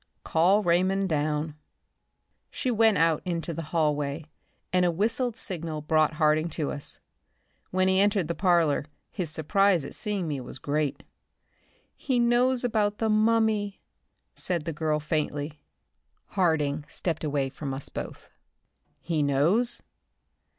"Call Raymond down." She went out into the hallway and a whistled signal brought Harding to us. When he entered the parlor his surprise at seeing me was great. "He knows about the mummy," said the girl faintly. Harding stepped away from us both. "He knows?"